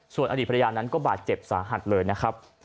ส่วนอดีตภรรยานั้นก็บาดเจ็บสาหัสเลยนะครับ